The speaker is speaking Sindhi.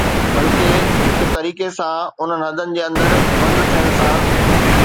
بلڪه، هڪ طريقي سان، انهن هنڌن جي اندر بند ٿيڻ سان